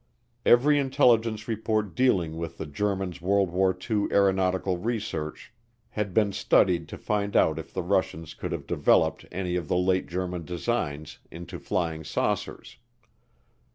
Every intelligence report dealing with the Germans' World War II aeronautical research had been studied to find out if the Russians could have developed any of the late German designs into flying saucers.